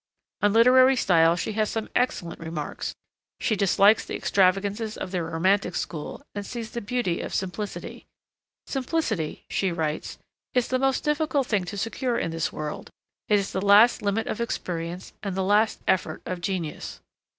On literary style she has some excellent remarks. She dislikes the extravagances of the romantic school and sees the beauty of simplicity. 'Simplicity,' she writes, 'is the most difficult thing to secure in this world: it is the last limit of experience and the last effort of genius.'